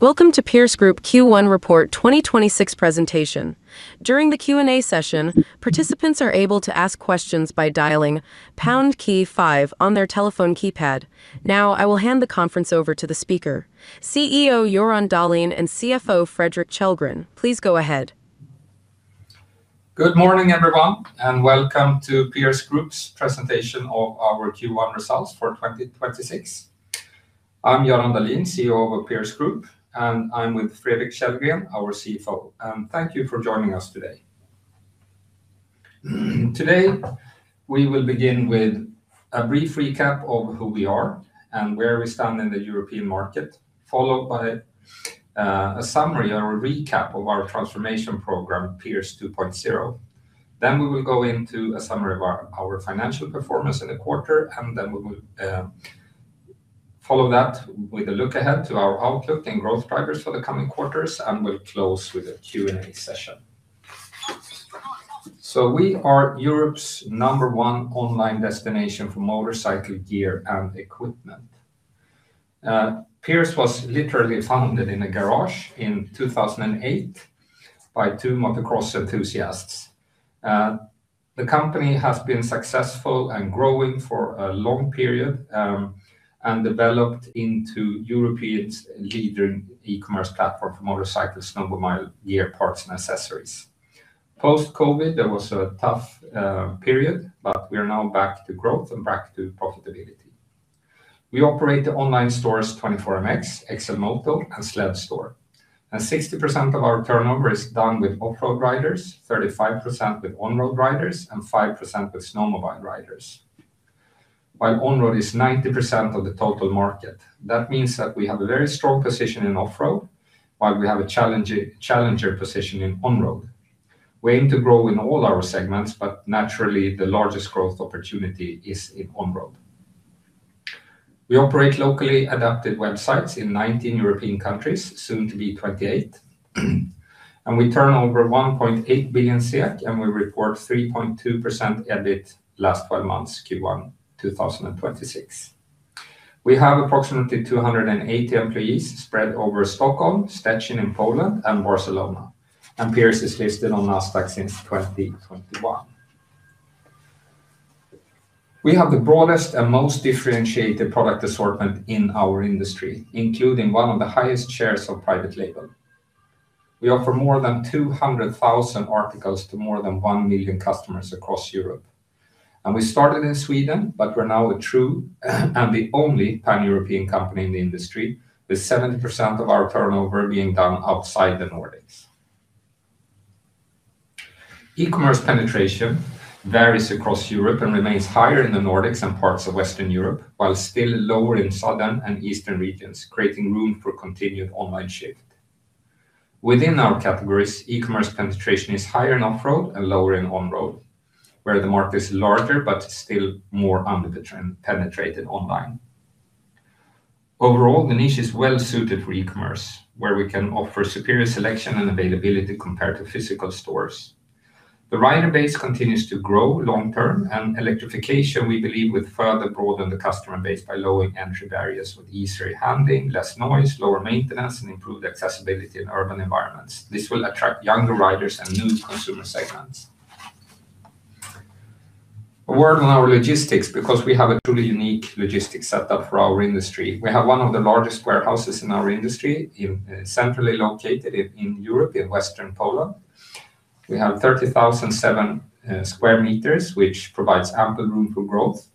Welcome to Pierce Group Q1 report 2026 presentation. During the Q&A session, participants are able to ask questions by dialing pound key five on their telephone keypad. Now, I will hand the conference over to the speaker. CEO Göran Dahlin and CFO Fredrik Kjellgren, please go ahead. Good morning, everyone, welcome to Pierce Group's presentation of our Q1 results for 2026. I'm Göran Dahlin, CEO of Pierce Group, I'm with Fredrik Kjellgren, our CFO. Thank you for joining us today. Today, we will begin with a brief recap of who we are and where we stand in the European market, followed by a summary or a recap of our transformation program, Pierce 2.0. We will go into a summary of our financial performance in the quarter, then we will follow that with a look ahead to our outlook and growth drivers for the coming quarters, we'll close with a Q&A session. We are Europe's number one online destination for motorcycle gear and equipment. Pierce was literally founded in a garage in 2008 by two motocross enthusiasts. The company has been successful and growing for a long period, and developed into Europe's leading e-commerce platform for motorcycles, snowmobile, gear, parts and accessories. Post-COVID, there was a tough period, we are now back to growth and back to profitability. We operate the online stores, 24MX, XLMOTO, and Sledstore, and 60% of our turnover is done with off-road riders, 35% with on-road riders, and 5% with snowmobile riders. On-road is 90% of the total market, that means that we have a very strong position in off-road, while we have a challenger position in on-road. We aim to grow in all our segments, naturally, the largest growth opportunity is in on-road. We operate locally adapted websites in 19 European countries, soon to be 28. We turn over 1.8 billion SEK, we report 3.2% EBIT last 12 months, Q1 2026. We have approximately 280 employees spread over Stockholm, Szczecin in Poland, and Barcelona. Pierce is listed on Nasdaq since 2021. We have the broadest and most differentiated product assortment in our industry, including one of the highest shares of private label. We offer more than 200,000 articles to more than one million customers across Europe. We started in Sweden, but we're now a true and the only Pan-European company in the industry, with 70% of our turnover being done outside the Nordics. E-commerce penetration varies across Europe and remains higher in the Nordics and parts of Western Europe, while still lower in Southern and Eastern regions, creating room for continued online shift. Within our categories, e-commerce penetration is higher in off-road and lower in on-road, where the market is larger but still more underpenetrated online. Overall, the niche is well suited for e-commerce, where we can offer superior selection and availability compared to physical stores. The rider base continues to grow long-term and electrification, we believe, will further broaden the customer base by lowering entry barriers with easier handling, less noise, lower maintenance, and improved accessibility in urban environments. This will attract younger riders and new consumer segments. A word on our logistics. We have a truly unique logistics setup for our industry. We have one of the largest warehouses in our industry centrally located in Europe, in Western Poland. We have 30,007 sq m, which provides ample room for growth.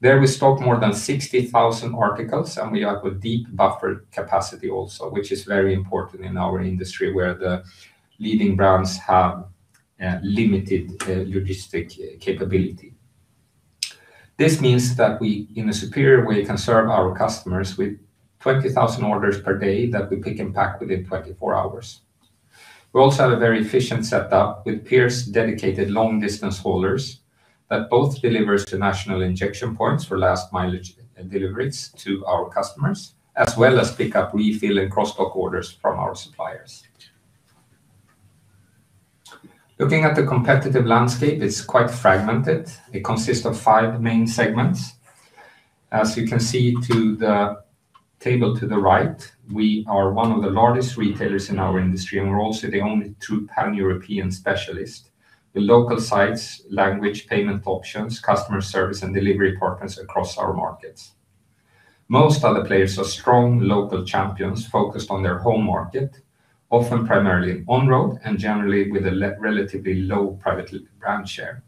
There we stock more than 60,000 articles, and we have a deep buffer capacity also, which is very important in our industry, where the leading brands have limited logistic capability. This means that we, in a superior way, can serve our customers with 20,000 orders per day that we pick and pack within 24 hours. We also have a very efficient setup with Pierce dedicated long-distance haulers that both delivers to national injection points for last mileage deliveries to our customers, as well as pick up refill and cross-dock orders from our suppliers. Looking at the competitive landscape, it's quite fragmented. It consists of five main segments. As you can see to the table to the right, we are one of the largest retailers in our industry. We're also the only true Pan-European specialist. The local sites, language, payment options, customer service, and delivery partners across our markets. Most other players are strong local champions focused on their home market, often primarily on-road and generally with a relatively low private brand share.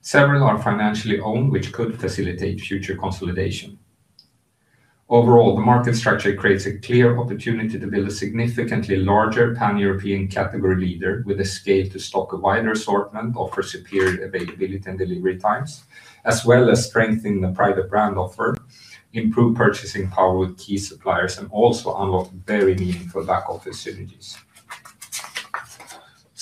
Several are financially owned, which could facilitate future consolidation. Overall, the market structure creates a clear opportunity to build a significantly larger Pan-European category leader with a scale to stock a wider assortment, offer superior availability and delivery times, as well as strengthening the private brand offer, improve purchasing power with key suppliers, and also unlock very meaningful back-office synergies.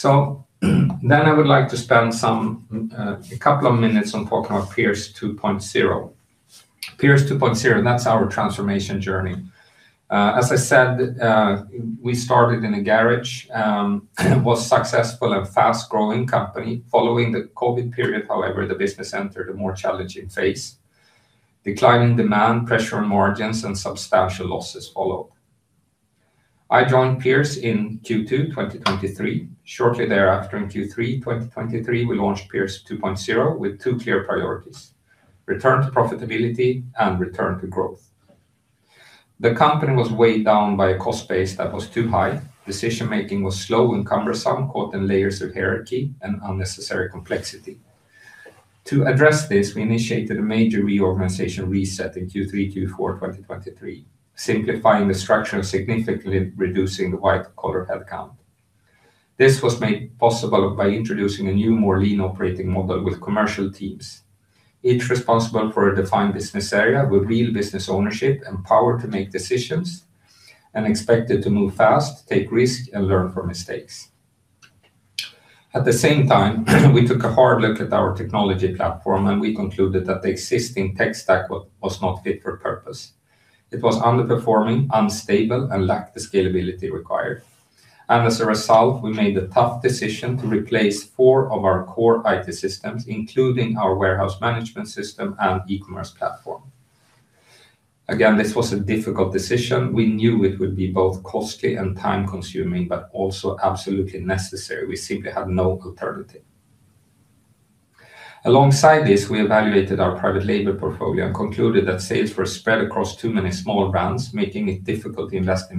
I would like to spend some, a couple of minutes on talking about Pierce 2.0. Pierce 2.0, that's our transformation journey. As I said, we started in a garage, was successful and fast-growing company. Following the COVID period, however, the business entered a more challenging phase. Declining demand, pressure on margins, and substantial losses followed. I joined Pierce in Q2 2023. Shortly thereafter, in Q3 2023, we launched Pierce 2.0 with two clear priorities, return to profitability and return to growth. The company was weighed down by a cost base that was too high. Decision-making was slow and cumbersome, caught in layers of hierarchy and unnecessary complexity. To address this, we initiated a major reorganization reset in Q3, Q4, 2023, simplifying the structure and significantly reducing the white-collar headcount. This was made possible by introducing a new, more lean operating model with commercial teams, each responsible for a defined business area with real business ownership and power to make decisions and expected to move fast, take risk, and learn from mistakes. At the same time, we took a hard look at our technology platform, and we concluded that the existing tech stack was not fit for purpose. It was underperforming, unstable, and lacked the scalability required. As a result, we made the tough decision to replace four of our core IT systems, including our warehouse management system and e-commerce platform. Again, this was a difficult decision. We knew it would be both costly and time-consuming, but also absolutely necessary. We simply had no alternative. Alongside this, we evaluated our private label portfolio and concluded that sales were spread across too many small brands, making it difficult to invest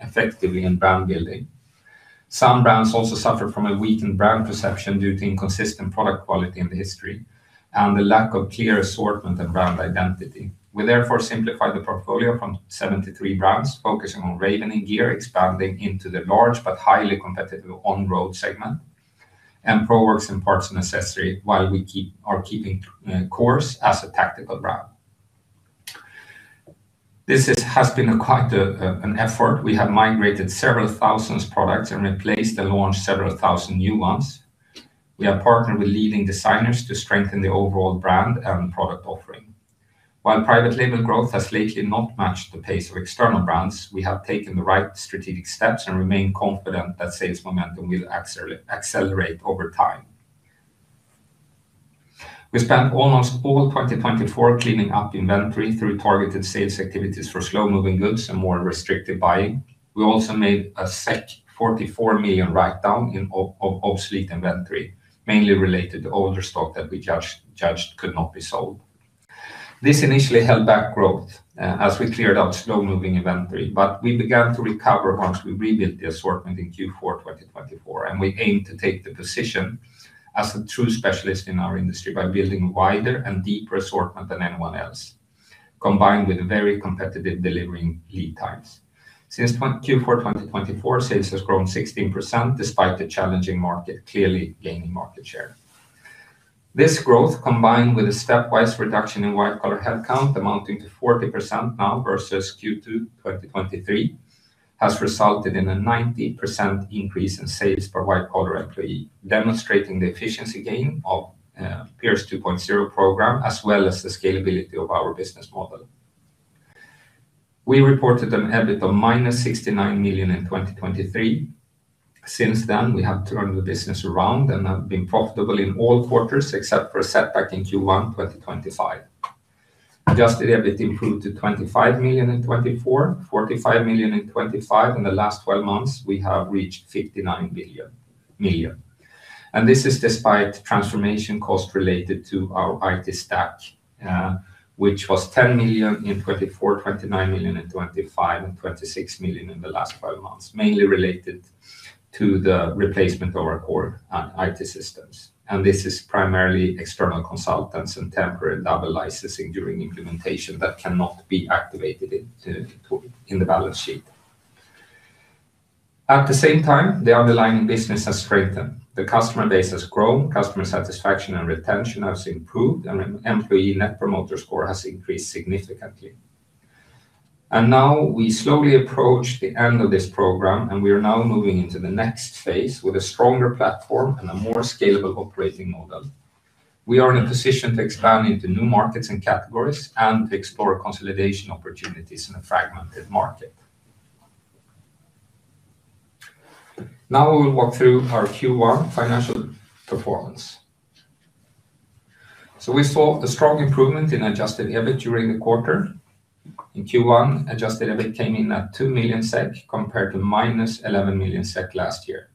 effectively in brand building. Some brands also suffered from a weakened brand perception due to inconsistent product quality in the history and the lack of clear assortment and brand identity. We therefore simplified the portfolio from 73 brands, focusing on Raven Gear, expanding into the large but highly competitive on-road segment, and Proworks and Parts Necessary while we are keeping Course as a tactical brand. This has been quite an effort. We have migrated several thousands products and replaced and launched several thousand new ones. We have partnered with leading designers to strengthen the overall brand and product offering. While private label growth has lately not matched the pace of external brands, we have taken the right strategic steps and remain confident that sales momentum will accelerate over time. We spent almost all 2024 cleaning up inventory through targeted sales activities for slow-moving goods and more restrictive buying. We also made a 44 million write-down of obsolete inventory, mainly related to older stock that we judged could not be sold. This initially held back growth, as we cleared out slow-moving inventory, but we began to recover once we rebuilt the assortment in Q4 2024, and we aim to take the position as a true specialist in our industry by building wider and deeper assortment than anyone else, combined with very competitive delivering lead times. Since Q4 2024, sales has grown 16% despite the challenging market clearly gaining market share. This growth, combined with a stepwise reduction in white-collar headcount amounting to 40% now versus Q2 2023, has resulted in a 90% increase in sales per white-collar employee, demonstrating the efficiency gain of Pierce 2.0 program as well as the scalability of our business model. We reported an EBIT of -69 million in 2023. Since then, we have turned the business around and have been profitable in all quarters except for a setback in Q1 2025. Adjusted EBIT improved to 25 million in 2024, 45 million in 2025. In the last 12 months, we have reached 59 million. This is despite transformation cost related to our IT stack, which was 10 million in 2024, 29 million in 2025, and 26 million in the last five months, mainly related to the replacement of our core IT systems. This is primarily external consultants and temporary double licensing during implementation that cannot be activated in the balance sheet. At the same time, the underlying business has strengthened. The customer base has grown, customer satisfaction and retention has improved, and employee net promoter score has increased significantly. Now we slowly approach the end of this program, and we are now moving into the next phase with a stronger platform and a more scalable operating model. We are in a position to expand into new markets and categories and to explore consolidation opportunities in a fragmented market. Now we will walk through our Q1 financial performance. We saw a strong improvement in adjusted EBIT during the quarter. In Q1, adjusted EBIT came in at 2 million SEK compared to -11 million SEK last year.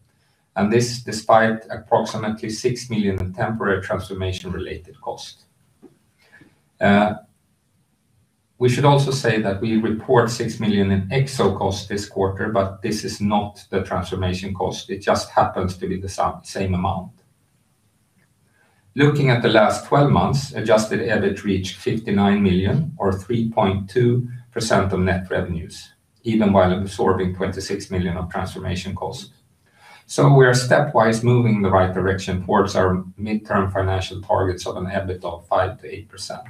This despite approximately 6 million in temporary transformation-related costs. We should also say that we report 6 million in [Exo] costs this quarter, but this is not the transformation cost. It just happens to be the same amount. Looking at the last 12 months, adjusted EBIT reached 59 million or 3.2% of net revenues, even while absorbing 26 million of transformation costs. We are stepwise moving in the right direction towards our midterm financial targets of an EBIT of 5%-8%.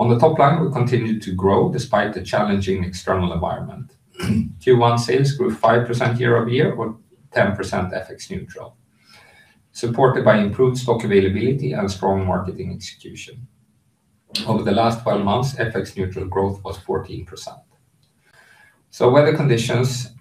On the top line, we continued to grow despite the challenging external environment. Q1 sales grew 5% year-over-year or 10% FX neutral, supported by improved stock availability and strong marketing execution. Over the last 12 months, FX neutral growth was 14%. Weather conditions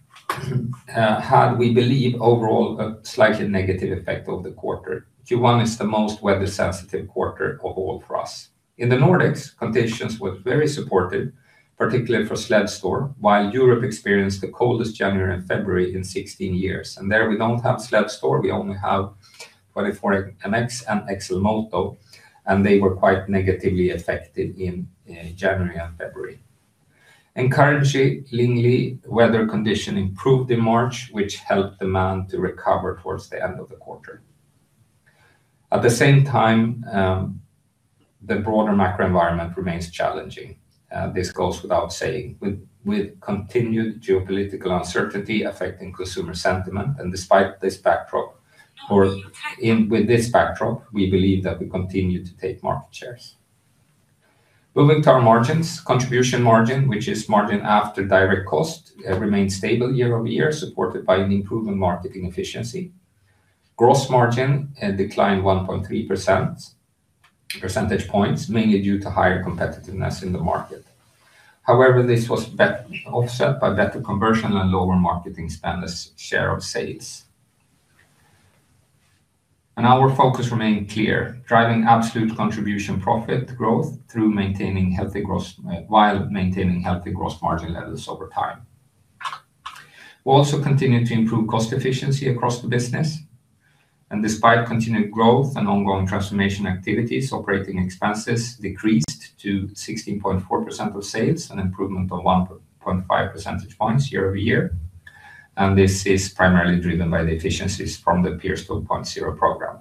had, we believe, overall a slightly negative effect of the quarter. Q1 is the most weather-sensitive quarter of all for us. In the Nordics, conditions were very supportive, particularly for Sledstore, while Europe experienced the coldest January and February in 16 years. There we don't have Sledstore, we only have 24MX and XLMOTO, and they were quite negatively affected in January and February. Encouragingly, weather condition improved in March, which helped demand to recover towards the end of the quarter. The broader macro environment remains challenging, this goes without saying. With continued geopolitical uncertainty affecting consumer sentiment, and despite this backdrop or with this backdrop, we believe that we continue to take market shares. Moving to our margins, contribution margin, which is margin after direct cost, remained stable year-over-year, supported by an improvement marketing efficiency. Gross margin declined 1.3%, percentage points, mainly due to higher competitiveness in the market. This was offset by better conversion and lower marketing spend as share of sales. Our focus remained clear: driving absolute contribution profit growth while maintaining healthy gross margin levels over time. We also continued to improve cost efficiency across the business, and despite continued growth and ongoing transformation activities, operating expenses decreased to 16.4% of sales, an improvement of 1.5 percentage points year-over-year. This is primarily driven by the efficiencies from the Pierce 2.0 program.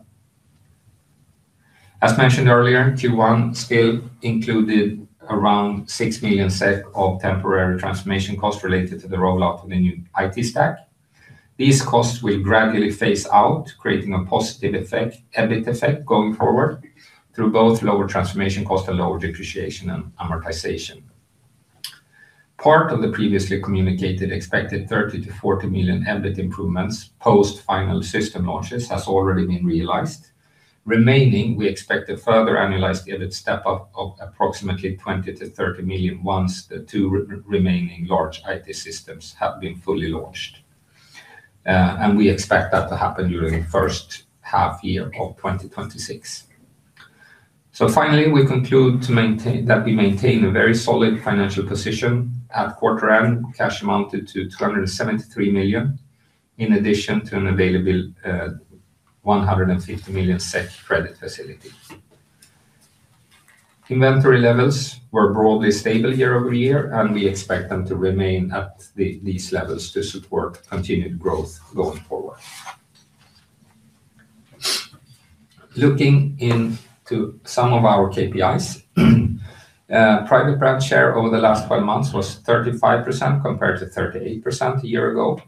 As mentioned earlier, Q1 still included around 6 million SEK of temporary transformation costs related to the rollout of the new IT stack. These costs will gradually phase out, creating a positive EBIT effect going forward through both lower transformation cost and lower depreciation and amortization. Part of the previously communicated expected 30 million-40 million EBIT improvements, post final system launches, has already been realized. Remaining, we expect a further annualized EBIT step up of approximately 20 million-30 million once the two remaining large IT systems have been fully launched. We expect that to happen during the first half of 2026. Finally, we conclude that we maintain a very solid financial position. At quarter end, cash amounted to 273 million, in addition to an available 150 million SEK credit facility. Inventory levels were broadly stable year-over-year, and we expect them to remain at these levels to support continued growth going forward. Looking into some of our KPIs, private brand share over the last 12 months was 35% compared to 38% a year ago.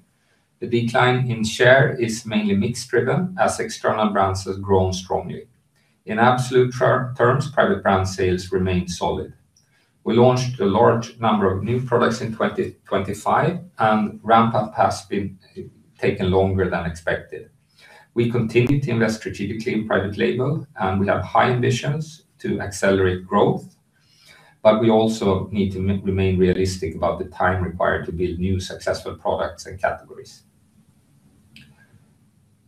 The decline in share is mainly mix driven as external brands has grown strongly. In absolute terms, private brand sales remain solid. We launched a large number of new products in 2025, and ramp up has been taken longer than expected. We continue to invest strategically in private label, and we have high ambitions to accelerate growth, but we also need to remain realistic about the time required to build new successful products and categories.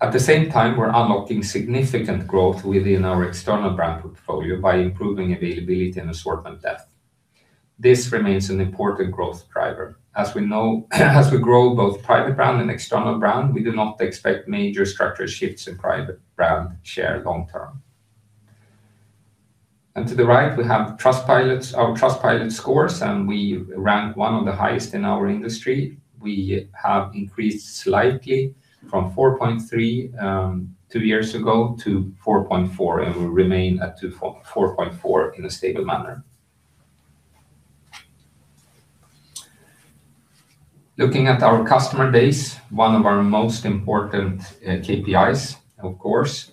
At the same time, we're unlocking significant growth within our external brand portfolio by improving availability and assortment depth. This remains an important growth driver. As we grow both private brand and external brand, we do not expect major structure shifts in private brand share long term. To the right, we have Trustpilot, our Trustpilot scores, and we rank one of the highest in our industry. We have increased slightly from 4.3 two years ago to 4.4, and we remain at 4.4 in a stable manner. Looking at our customer base, one of our most important KPIs, of course,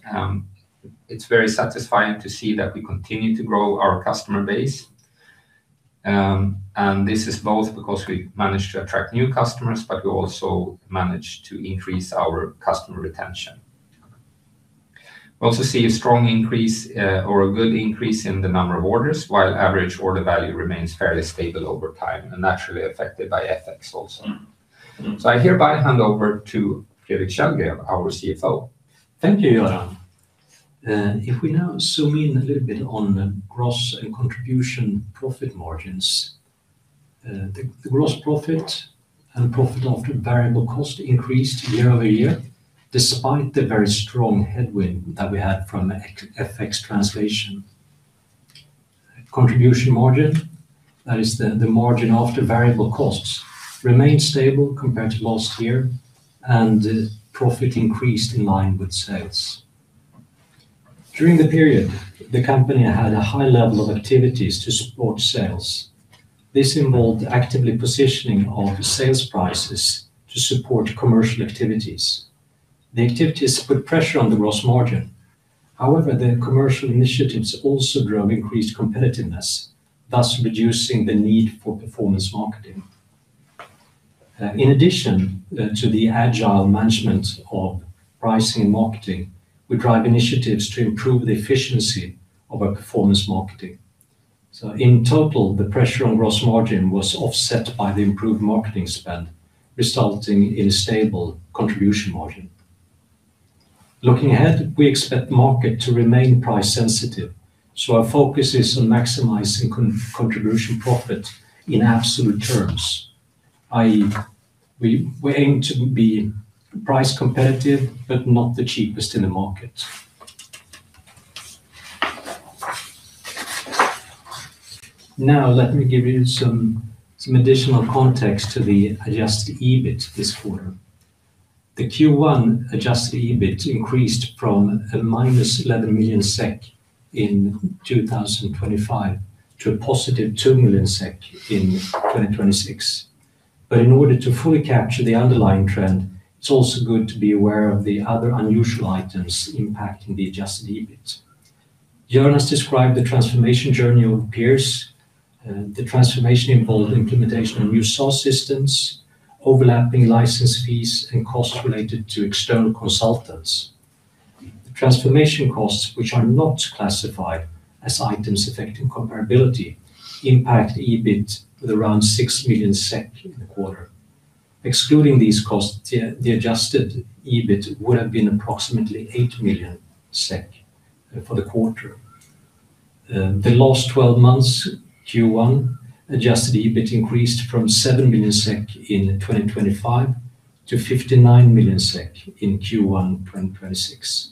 it's very satisfying to see that we continue to grow our customer base. This is both because we managed to attract new customers, but we also managed to increase our customer retention. We also see a strong increase, or a good increase in the number of orders, while average order value remains fairly stable over time and naturally affected by FX also. I hereby hand over to Fredrik Kjellgren, our CFO. Thank you, Göran. If we now zoom in a little bit on gross and contribution profit margins, the gross profit and profit after variable cost increased year-over-year, despite the very strong headwind that we had from FX translation. Contribution margin, that is the margin after variable costs, remained stable compared to last year, and profit increased in line with sales. During the period, the company had a high level of activities to support sales. This involved actively positioning of sales prices to support commercial activities. The activities put pressure on the gross margin. However, the commercial initiatives also drove increased competitiveness, thus reducing the need for performance marketing. In addition, to the agile management of pricing and marketing, we drive initiatives to improve the efficiency of our performance marketing. In total, the pressure on gross margin was offset by the improved marketing spend, resulting in a stable contribution margin. Looking ahead, we expect market to remain price sensitive, our focus is on maximizing contribution profit in absolute terms, i.e., we aim to be price competitive but not the cheapest in the market. Now, let me give you some additional context to the adjusted EBIT this quarter. The Q1 adjusted EBIT increased from a -11 million SEK in 2025 to a +2 million SEK in 2026. In order to fully capture the underlying trend, it's also good to be aware of the other unusual items impacting the adjusted EBIT. Göran described the transformation journey of Pierce. The transformation involved implementation of new source systems, overlapping license fees, and costs related to external consultants. The transformation costs, which are not classified as Items affecting comparability, impact EBIT with around 6 million SEK in the quarter. Excluding these costs, the adjusted EBIT would have been approximately 8 million SEK for the quarter. The last 12 months, Q1 adjusted EBIT increased from 7 million SEK in 2025 to 59 million SEK in Q1 2026.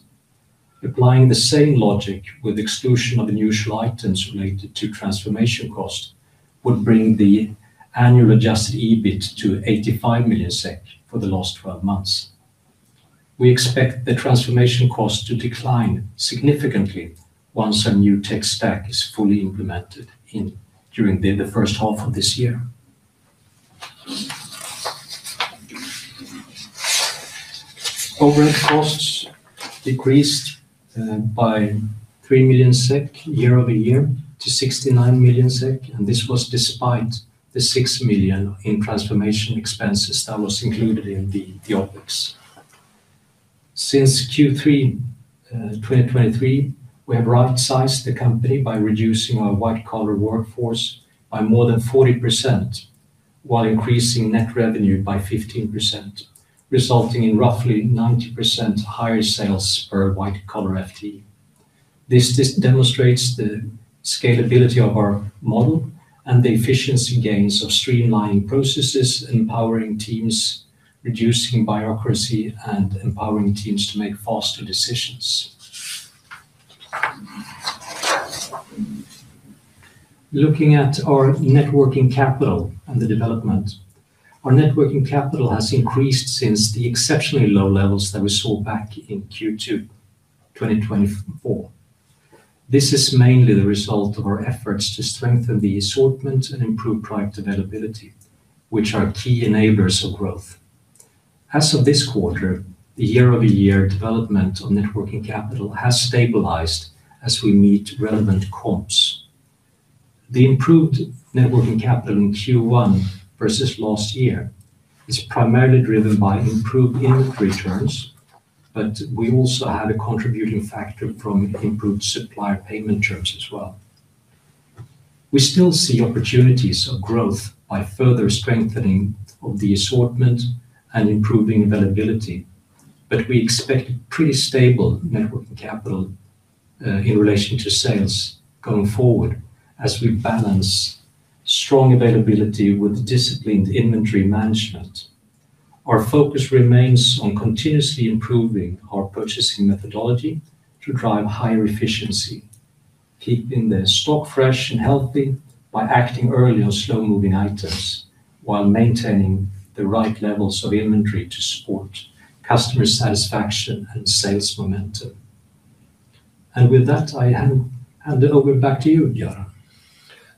Applying the same logic with exclusion of unusual items related to transformation cost would bring the annual adjusted EBIT to 85 million SEK for the last 12 months. We expect the transformation cost to decline significantly once our new tech stack is fully implemented during the first half of this year. Overhead costs decreased by 3 million SEK year-over-year to 69 million SEK, and this was despite the 6 million in transformation expenses that was included in the OpEx. Since Q3 2023, we have rightsized the company by reducing our white-collar workforce by more than 40% while increasing net revenue by 15%, resulting in roughly 90% higher sales per white-collar FTE. This just demonstrates the scalability of our model and the efficiency gains of streamlining processes, empowering teams, reducing bureaucracy, and empowering teams to make faster decisions. Looking at our net working capital and the development. Our net working capital has increased since the exceptionally low levels that we saw back in Q2 2024. This is mainly the result of our efforts to strengthen the assortment and improve product availability, which are key enablers of growth. As of this quarter, the year-over-year development of net working capital has stabilized as we meet relevant comps. The improved net working capital in Q1 versus last year is primarily driven by improved inventory terms. We also had a contributing factor from improved supplier payment terms as well. We still see opportunities of growth by further strengthening of the assortment and improving availability. We expect pretty stable net working capital in relation to sales going forward as we balance strong availability with disciplined inventory management. Our focus remains on continuously improving our purchasing methodology to drive higher efficiency, keeping the stock fresh and healthy by acting early on slow-moving items while maintaining the right levels of inventory to support customer satisfaction and sales momentum. With that, I hand it over back to you, Göran.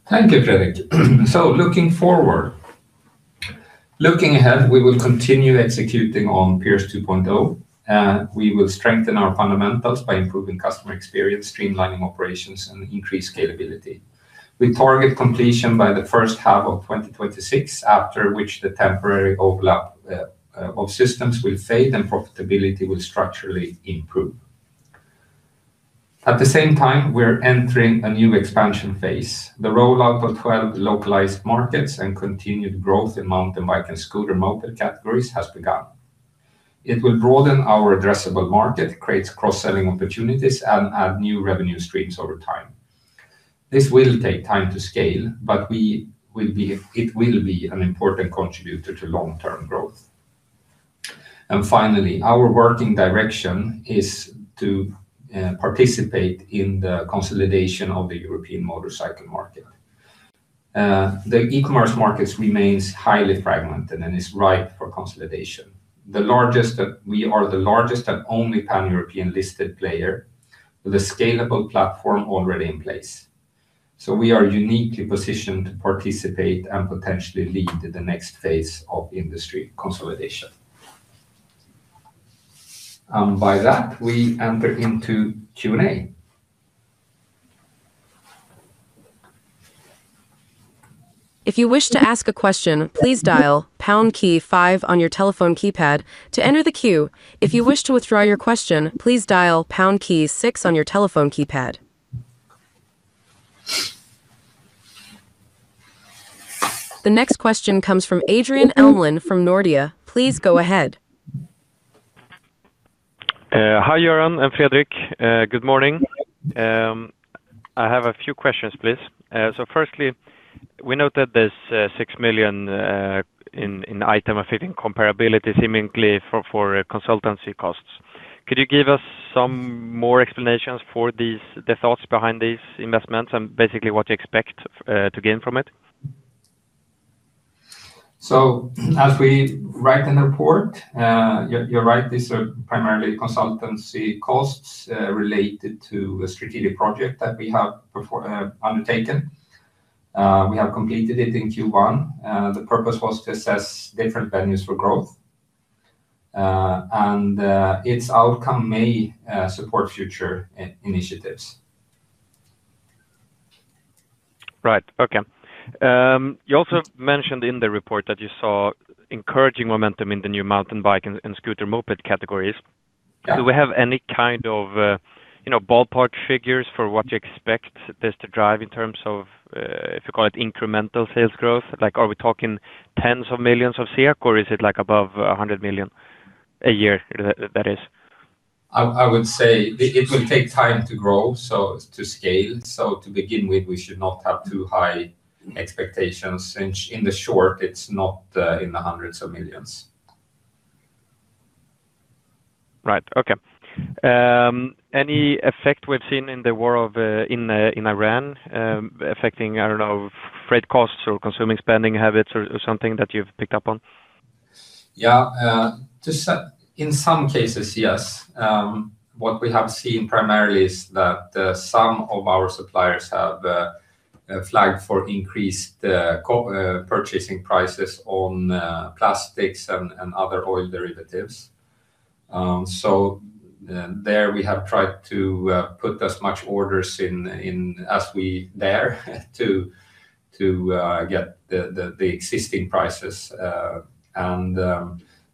Thank you, Fredrik. Looking forward. Looking ahead, we will continue executing on Pierce 2.0. We will strengthen our fundamentals by improving customer experience, streamlining operations, and increase scalability. We target completion by the first half of 2026, after which the temporary overlap of systems will fade and profitability will structurally improve. At the same time, we're entering a new expansion phase. The rollout of 12 localized markets and continued growth in mountain bike and scooter moped categories has begun. It will broaden our addressable market, create cross-selling opportunities, and add new revenue streams over time. This will take time to scale, but it will be an important contributor to long-term growth. Finally, our working direction is to participate in the consolidation of the European motorcycle market. The e-commerce markets remains highly fragmented and is ripe for consolidation. We are the largest and only Pan-European listed player with a scalable platform already in place. We are uniquely positioned to participate and potentially lead the next phase of industry consolidation. By that, we enter into Q&A. If you wish a question please dial pound key five on your telephone keypad to enter the queue. If you wish to withdraw your question, please dial pound key six on your telephone keypad. The next question comes from Adrian Elmlund from Nordea. Please go ahead. Hi, Göran and Fredrik. Good morning. I have a few questions, please. Firstly, we noted there's 6 million in Item affecting comparability seemingly for consultancy costs. Could you give us some more explanations for these, the thoughts behind these investments and basically what you expect to gain from it? As we write in the report, you're right, these are primarily consultancy costs related to a strategic project that we have undertaken. We have completed it in Q1. The purpose was to assess different venues for growth. Its outcome may support future initiatives. Right. Okay. You also mentioned in the report that you saw encouraging momentum in the new mountain bike and scooter moped categories. Yeah. Do we have any kind of, you know, ballpark figures for what you expect this to drive in terms of, if you call it incremental sales growth? Like, are we talking tens of millions of SEK, or is it, like, above 100 million a year, that is? I would say it will take time to grow, so to scale. To begin with, we should not have too high expectations since in the short it's not in the hundreds of millions. Right. Okay. Any effect we've seen in the war in Ukraine affecting, I don't know, freight costs or consuming spending habits or something that you've picked up on? Just in some cases, yes. What we have seen primarily is that some of our suppliers have flagged for increased purchasing prices on plastics and other oil derivatives. There we have tried to put as much orders in as we dare to get the existing prices.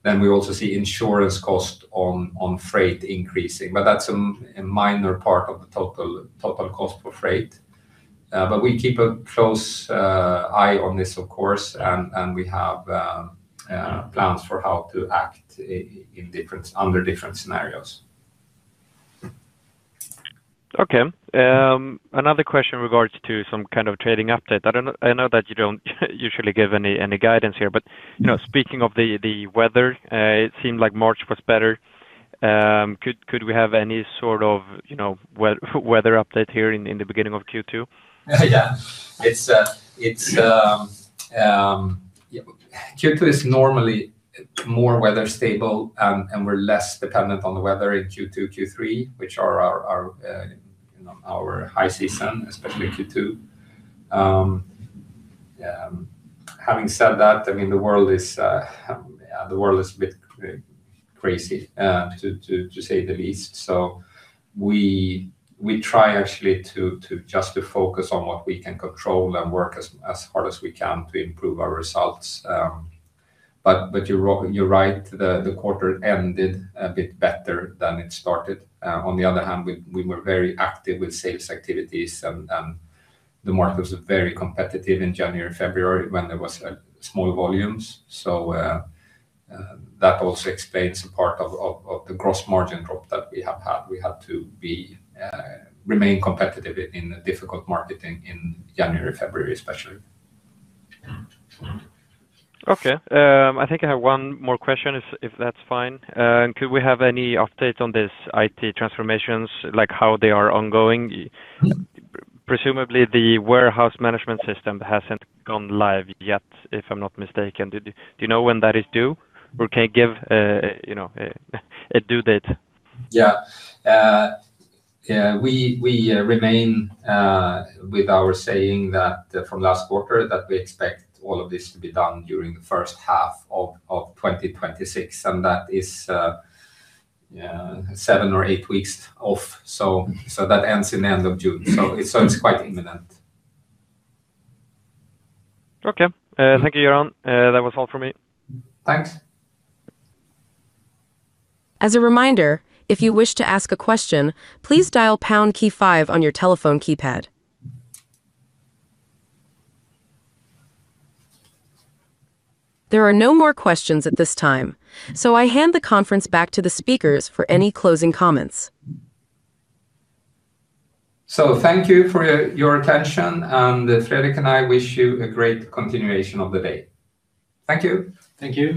We also see insurance cost on freight increasing, but that's a minor part of the total cost for freight. We keep a close eye on this, of course, and we have plans for how to act under different scenarios. Okay. Another question regards to some kind of trading update. I know that you don't usually give any guidance here, but, you know, speaking of the weather, it seemed like March was better. Could we have any sort of, you know, weather update here in the beginning of Q2? Yeah. It's Q2 is normally more weather stable and we're less dependent on the weather in Q2, Q3, which are our, you know, our high season, especially Q2. Yeah, having said that, I mean, the world is a bit crazy to say the least. We try actually just to focus on what we can control and work as hard as we can to improve our results. You're right, the quarter ended a bit better than it started. On the other hand, we were very active with sales activities and the market was very competitive in January and February when there was small volumes. That also explains a part of the gross margin drop that we have had. We had to be remain competitive in a difficult market in January, February especially. Okay. I think I have one more question if that's fine. Could we have any updates on this IT transformations, like how they are ongoing? Presumably the warehouse management system hasn't gone live yet, if I'm not mistaken. Do you know when that is due? Can you give, you know, a due date? We remain with our saying that from last quarter that we expect all of this to be done during the first half of 2026. That is seven or eight weeks off. That ends in the end of June. It's quite imminent. Okay. Thank you, Göran. That was all from me. Thanks. As a reminder if you wish to ask a question please dial pound key five on your telephone keypad. There are no more questions at this time so I hand the conference back to the speakers for any closing comments. Thank you for your attention, and Fredrik and I wish you a great continuation of the day. Thank you. Thank you.